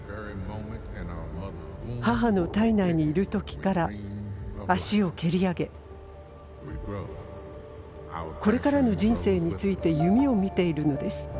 母の胎内にいる時から足を蹴り上げこれからの人生について夢を見ているのです。